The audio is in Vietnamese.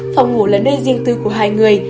phòng ngủ là nơi riêng tư của hai người